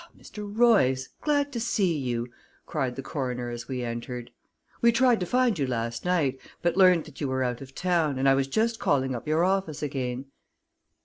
"Ah, Mr. Royce, glad to see you," cried the coroner, as we entered. "We tried to find you last night, but learned that you were out of town, and I was just calling up your office again."